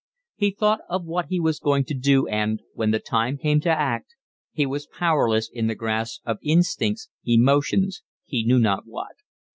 He thought of what he was going to do and, when the time came to act, he was powerless in the grasp of instincts, emotions, he knew not what.